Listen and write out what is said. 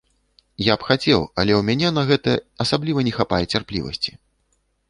Я б хацеў, але ў мяне на гэта асабліва не хапае цярплівасці.